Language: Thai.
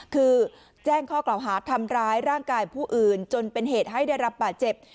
คือแจ้งข้อกล่าวหาทำร้ายร่างกายผู้อื่นจนเป็นเหตุให้ได้รับบาดเจ็บ